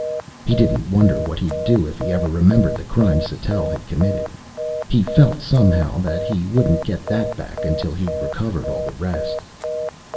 He didn't wonder what he'd do if he ever remembered the crime Sattell had committed. He felt, somehow, that he wouldn't get that back until he'd recovered all the rest.